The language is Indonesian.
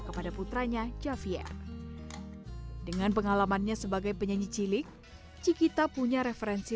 kepada putranya javian dengan pengalamannya sebagai penyanyi cilik cikita punya referensi